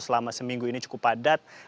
selama seminggu ini cukup padat